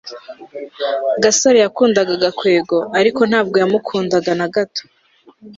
gasore yakundaga gakwego, ariko ntabwo yamukundaga na gato